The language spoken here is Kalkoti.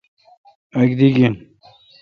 اک دی گین۔